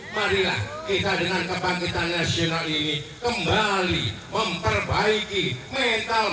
marilah kita dengan kebangkitan nasional ini kembali memperbaiki mental